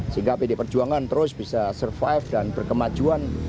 sehingga pd perjuangan terus bisa survive dan berkemajuan